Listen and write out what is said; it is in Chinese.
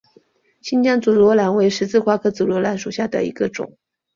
新疆紫罗兰为十字花科紫罗兰属下的一个种。